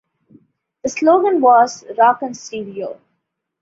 The slogan was Rock 'N Stereo.